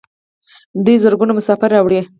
دوی زرګونه مسافر راوړي.